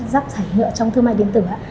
giáp thả nhựa trong thương mại điện tử